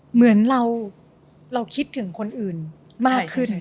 เหมือนเราคิดถึงคนอื่นมากขึ้น